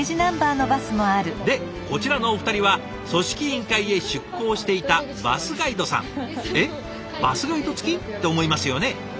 でこちらのお二人は組織委員会へ出向していた「えっバスガイド付き？」って思いますよね？